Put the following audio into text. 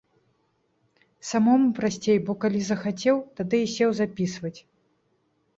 Самому прасцей, бо калі захацеў, тады і сеў запісваць.